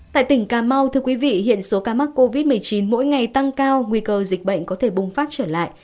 tại tỉnh cà mau hiện số ca mắc covid một mươi chín mỗi ngày tăng cao nguy cơ dịch bệnh có thể bùng phát trở lại